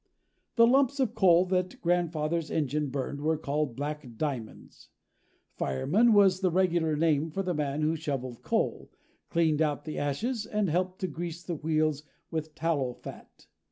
The lumps of coal that grandfather's engine burned were called black diamonds. Fireman was the regular name for the man who shoveled coal, cleaned out the ashes and helped to grease the wheels with tallow fat.